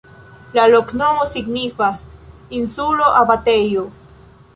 La loknomo signifas: insulo-abatejo.